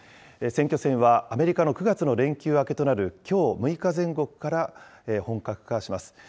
選挙戦はアメリカの９月の連休明けとなるきょう６日前後から、本格化します。